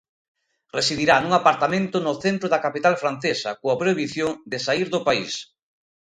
Residirá nun apartamento no centro da capital francesa, coa prohibición de saír do país.